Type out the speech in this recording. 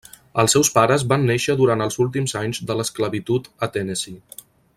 Els seus pares van néixer durant els últims anys de l'esclavitud a Tennessee.